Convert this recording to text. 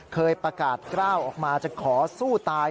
เคยประกาศกล้าวออกมาจะขอสู้ตาย